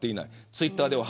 ツイッターでは＃